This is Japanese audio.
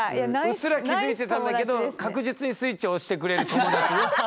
うっすら気付いてたんだけど確実にスイッチを押してくれる友達ね。